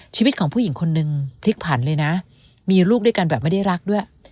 ชีวิตของผู้หญิงคนนึงพลิกผันเลยนะมีลูกด้วยกันแบบไม่ได้รักด้วย